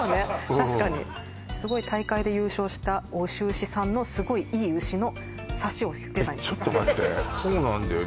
確かに大会で優勝した奥州市産のすごいいい牛のサシをデザインしたちょっと待ってそうなんだよね